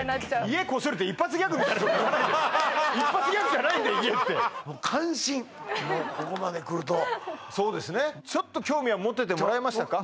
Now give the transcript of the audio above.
家ってもう感心ここまでくるとそうですねちょっと興味は持ててもらえましたか？